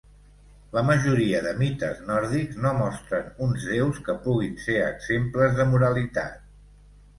La majoria de mites nòrdics no mostren uns déus que puguin ser exemples de moralitat.